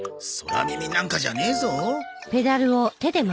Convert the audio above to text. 空耳なんかじゃねえぞ。